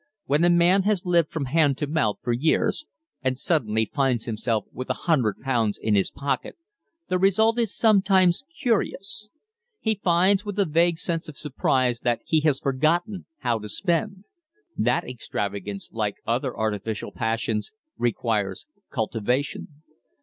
When a man has lived from hand to mouth for years, and suddenly finds himself with a hundred pounds in his pocket, the result is sometimes curious. He finds with a vague sense of surprise that he has forgotten how to spend. That extravagance, like other artificial passions, requires cultivation.